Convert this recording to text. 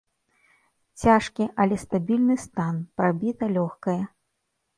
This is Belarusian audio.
Цяжкі, але стабільны стан, прабіта лёгкае.